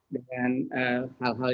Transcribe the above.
dengan hal hal yang